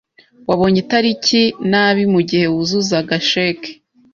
Wabonye itariki nabi mugihe wuzuzaga cheque.